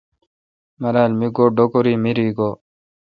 مرال۔ می گو ڈوکوری مری گو°